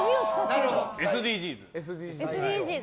ＳＤＧｓ。